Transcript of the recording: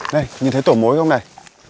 này nhìn thấy tổ mối không này